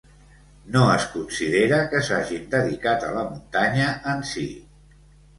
No es considera que s'hagin dedicat a la muntanya en si.